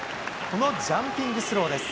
このジャンピングスローです。